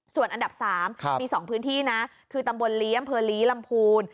ส่วนอันดับ๓มี๒พื้นที่นะคือตำบลลีอำเภอลีลำพูน